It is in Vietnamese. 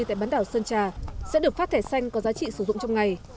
tại bán đảo sơn trà sẽ được phát thẻ xanh có giá trị sử dụng trong ngày